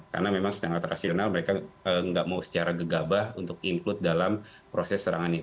karena memang sangat rasional mereka nggak mau secara gegabah untuk include dalam proses serangan ini